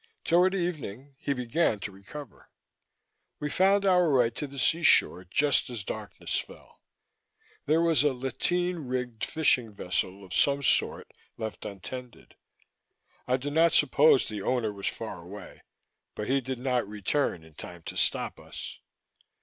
Toward evening, he began to recover. We found our way to the seashore just as darkness fell. There was a lateen rigged fishing vessel of some sort left untended. I do not suppose the owner was far away, but he did not return in time to stop us.